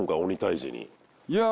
いや